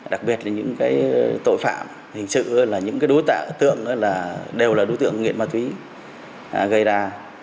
đặc biệt là những tội phạm hình sự là những đối tượng tượng đều là đối tượng nghiện ma túy gây ra